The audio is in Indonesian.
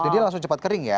jadi langsung cepat kering ya